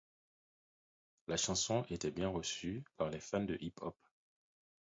La chanson était bien reçue par les fans de Hip Hop.